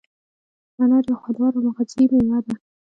انار یو خوندور او مغذي مېوه ده.